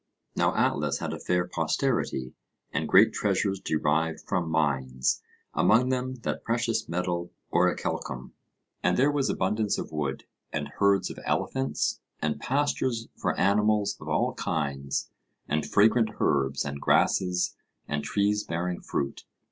Now Atlas had a fair posterity, and great treasures derived from mines among them that precious metal orichalcum; and there was abundance of wood, and herds of elephants, and pastures for animals of all kinds, and fragrant herbs, and grasses, and trees bearing fruit.